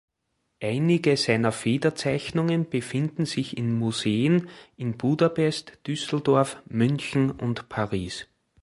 Einige seiner Federzeichnungen befinden sich in Museen in Budapest, Düsseldorf, München und Paris.